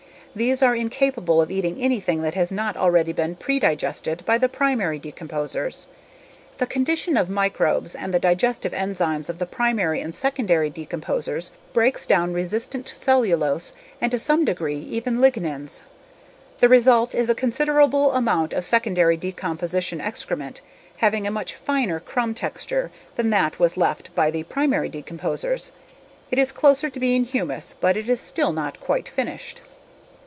These are incapable of eating anything that has not already been predigested by the primary decomposers. The combination of microbes and the digestive enzymes of the primary and secondary decomposers breaks down resistant cellulose and to some degree, even lignins. The result is a considerable amount of secondary decomposition excrement having a much finer crumb structure than what was left by the primary decomposers. It is closer to being humus but is still not quite finished.